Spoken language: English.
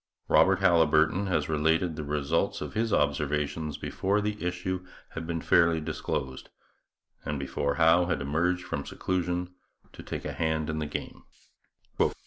Robert Haliburton has related the results of his observations before the issue had been fairly disclosed and before Howe had emerged from seclusion to take a hand in the game.